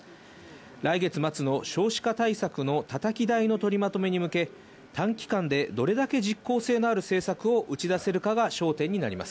来月末の少子化対策のたたき台の取りまとめに向け、短期間でどれだけ実効性のある政策を打ち出せるかが焦点になります。